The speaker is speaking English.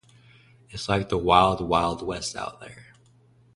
It's like the Wild, Wild West out there.